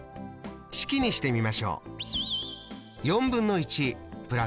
式にしてみましょう。